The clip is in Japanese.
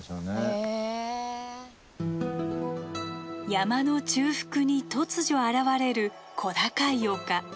山の中腹に突如現れる小高い丘。